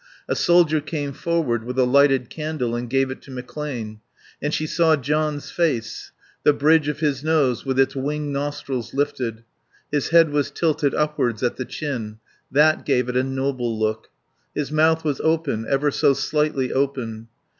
A soldier came forward with a lighted candle and gave it to McClane. And she saw John's face; the bridge of his nose, with its winged nostrils lifted. His head was tilted upwards at the chin; that gave it a noble look. His mouth was open, ever so slightly open